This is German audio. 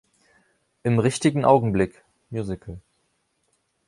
Im richtigen Augenblick (musical)